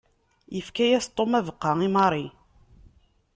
Yefka-yas Tom abeqqa i Mary.